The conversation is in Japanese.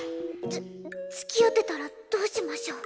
つつきあってたらどうしましょう。